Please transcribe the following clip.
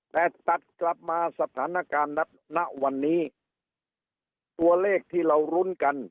แต่ตัดกลับมาสถานการณ์ณวันนี้ตัวเลขที่เรารุ้นกัน